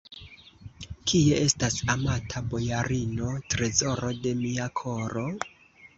Kie estas amata bojarino, trezoro de mia koro?